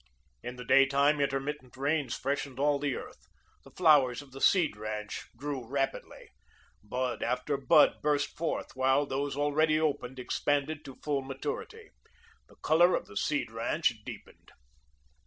In the daytime intermittent rains freshened all the earth. The flowers of the Seed ranch grew rapidly. Bud after bud burst forth, while those already opened expanded to full maturity. The colour of the Seed ranch deepened.